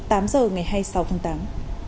tám h ngày hai mươi sáu tháng tám